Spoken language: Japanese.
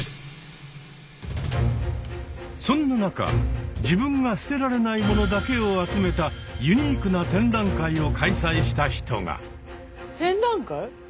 そんな中自分が捨てられない物だけを集めたユニークな展覧会を開催した人が！